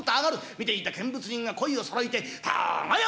見ていた見物人が声をそろえてたがや！